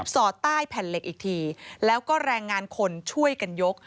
สอดใต้แผ่นเหล็กอีกทีแล้วก็แรงงานคนช่วยกันยก